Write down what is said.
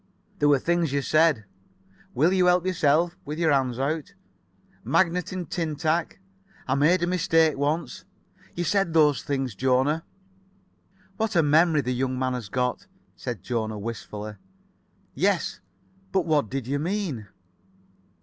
"There were things you said—'Will you help yourself,' with your hands out—'magnet and tin tack'—'I made a mistake once.' You said those things, Jona." "What a memory the young man has got," said Jona, wistfully. "Yes, but what did you mean?"